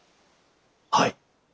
はい。